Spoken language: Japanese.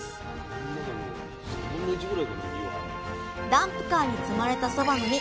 ダンプカーに積まれたそばの実。